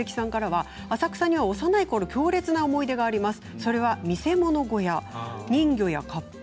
浅草には幼いころ強烈な思い出があります。